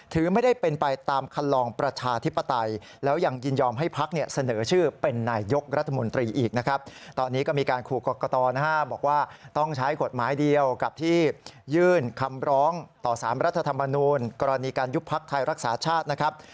ถือไม่ได้เป็นไปตามคันลองประชาธิปไตยแล้วยังยินยอมให้พักเนี่ยเสนอชื่อเป็นนายยกรัฐมนตรีอีกนะครับตอนนี้ก็มีการขู่กรกตนะฮะบอกว่าต้องใช้กฎหมายเดียวกับที่ยื่นคำร้องต่อสารรัฐธรรมนูลกรณีการยุบพักไทยรักษาชาตินะครับ